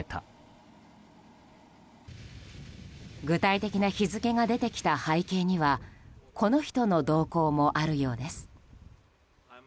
具体的な日付が出てきた背景にはこの人の動向もあるようです。